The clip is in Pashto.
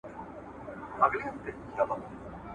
و مذهبي مخکښانو ته ورکول کېدلې